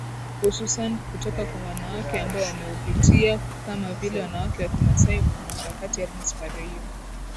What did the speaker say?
Hususani kutoka kwa wanawake ambao wameupitia kama vile wanawake wa kimasai mwanaharakati Agnes Pareiyo